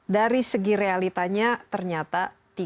dari segi realitanya ternyata tiga enam